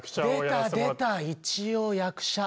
出た出た「一応役者」！